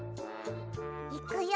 いくよ！